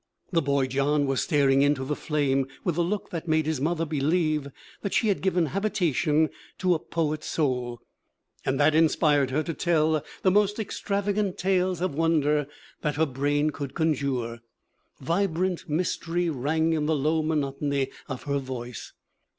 The boy John was staring into the flame with the look that made his mother believe that she had given habitation to a poet's soul, and that inspired her to tell the most extravagant tales of wonder that her brain could conjure. Vibrant mystery rang in the low monotony of her voice.